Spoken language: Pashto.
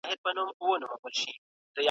د جانان دي زکندن دی د سلګیو جنازې دي .